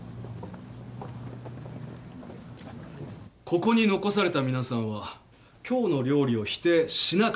ここに残された皆さんは今日の料理を否定しなかった方々です。